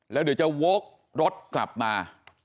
แล้วเดี๋ยวจะโว๊กรถกลับมา